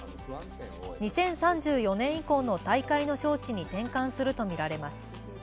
２０３４年以降の大会の招致に転換するとみられます。